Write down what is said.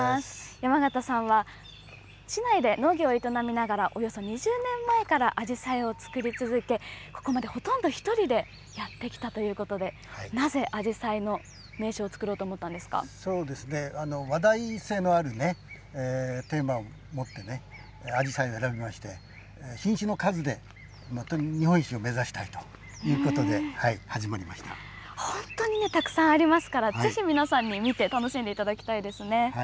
山縣さんは、市内で農業を営みながら、およそ２０年前からあじさいを作り続け、ここまでほとんど１人でやってきたということで、なぜアジサイの名所を作ろうと思ったんそうですね、話題性のあるね、テーマを持ってね、アジサイ選びまして、品種の数で日本一を目指本当にたくさんありますから、ぜひ皆さんに見て楽しんでいただきたいですね。